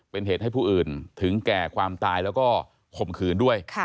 เป็นเหตุให้ผู้อื่นถึงแก่ความตายแล้วก็ข่มขืนด้วย